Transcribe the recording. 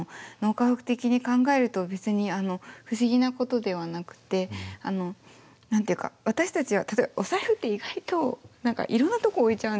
科学的に考えると別に不思議なことではなくて何て言うか私たちは例えばお財布って意外といろんなとこ置いちゃうんですよね。